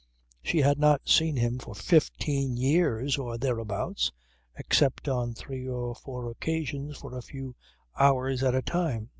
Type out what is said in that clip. She had not seen him for fifteen years or thereabouts, except on three or four occasions for a few hours at a time.